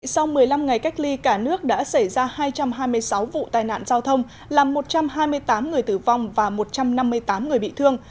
sau một mươi năm ngày cách ly cả nước đã xảy ra hai trăm hai mươi sáu vụ tai nạn giao thông làm một trăm hai mươi tám người tử vong và một trăm năm mươi tám người bị thương